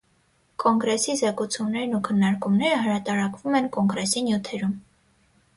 Կոնգրեսի զեկուցումներն ու քննարկումները հրատարակվում են կոնգրեսի նյութերում։